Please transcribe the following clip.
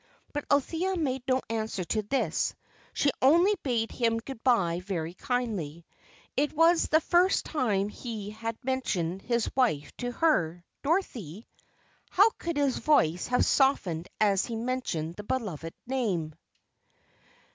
But Althea made no answer to this. She only bade him good bye very kindly. It was the first time he had mentioned his wife to her. Dorothy! How his voice had softened as he mentioned the beloved name.